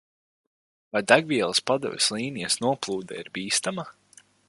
Vai degvielas padeves līnijas noplūde ir bīstama?